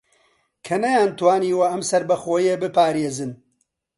کە نەیانتوانیوە ئەم سەربەخۆیییە بپارێزن